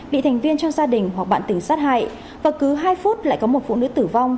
bị thành viên trong gia đình hoặc bạn tình sát hại và cứ hai phút lại có một phụ nữ tử vong